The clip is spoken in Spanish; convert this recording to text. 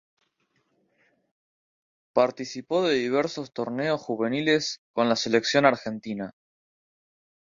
Participó de diversos torneos juveniles con la Selección Argentina.